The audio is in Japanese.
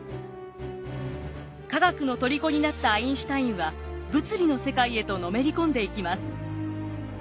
科学のとりこになったアインシュタインは物理の世界へとのめり込んでいきます。